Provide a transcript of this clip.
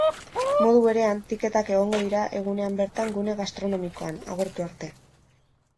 Modu berean, tiketak egongo dira egunean bertan gune gastronomikoan, agortu arte.